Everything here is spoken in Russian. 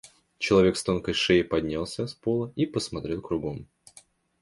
Человек с тонкой шеей поднялся с пола и посмотрел кругом.